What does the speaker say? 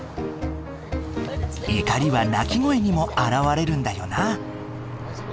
怒りは鳴き声にも表れるんだよな。